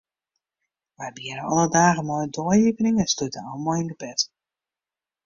Wy begjinne alle dagen mei in dei-iepening en slute ôf mei in gebed.